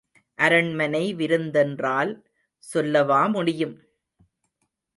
அரண்மனை விருந்தென்றால் சொல்லவா முடியும்?